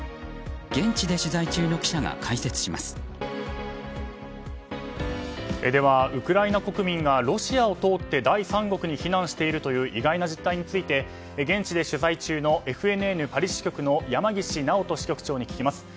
現地で取材中の記者が解説しますではウクライナ国民がロシアを通って第三国に避難しているという意外な実態について現地で取材中のＦＮＮパリ支局の山岸直人支局長に聞きます。